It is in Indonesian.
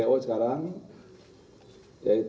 ini sedang kita lakukan pengejaran